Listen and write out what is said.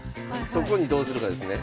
そこにどうするかですね？